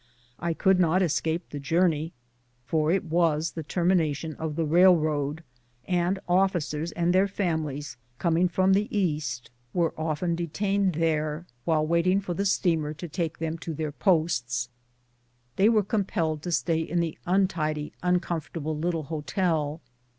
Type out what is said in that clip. I could not escape the journey, for it was the termination of the railroad, and officers and their families coming from the East were often detained there ; while waiting for the steamer to take them to their posts they were com pelled to stay in the untidy, uncomfortable little hotel.